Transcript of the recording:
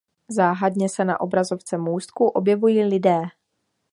Záhadně se na obrazovce můstku objevují lidé.